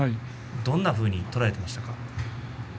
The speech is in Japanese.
どんなふうに捉えていましたか？